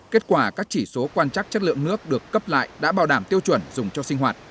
kết quả các chỉ số quan trắc chất lượng nước được cấp lại đã bảo đảm tiêu chuẩn dùng cho sinh hoạt